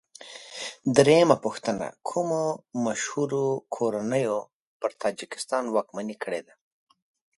درېمه پوښتنه: کومو مشهورو کورنیو پر تاجکستان واکمني کړې ده؟